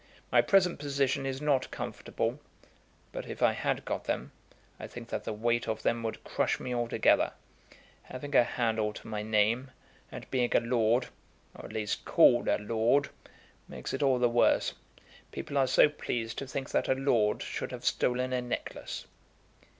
My present position is not comfortable, but if I had got them, I think that the weight of them would crush me altogether. Having a handle to my name, and being a lord, or, at least, called a lord, makes it all the worse. People are so pleased to think that a lord should have stolen a necklace."